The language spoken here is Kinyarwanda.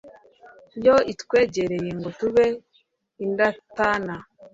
yo itwegera ngo tube indatana